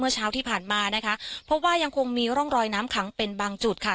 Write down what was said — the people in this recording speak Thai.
เช้าที่ผ่านมานะคะพบว่ายังคงมีร่องรอยน้ำขังเป็นบางจุดค่ะ